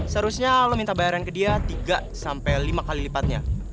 seharusnya lo minta bayaran ke dia tiga sampai lima kali lipatnya